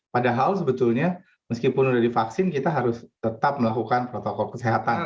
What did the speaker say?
padahal sebetulnya meskipun sudah divaksin kita harus tetap melakukan protokol kesehatan